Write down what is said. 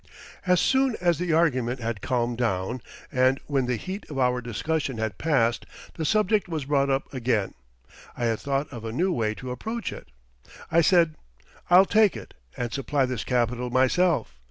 As soon as the argument had calmed down, and when the heat of our discussion had passed, the subject was brought up again. I had thought of a new way to approach it. I said: "I'll take it, and supply this capital myself.